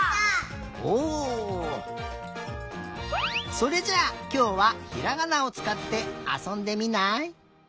それじゃあきょうはひらがなをつかってあそんでみない？